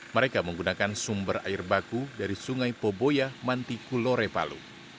mereka menggunakan sumber air baku dari sungai poboya mantikulore palu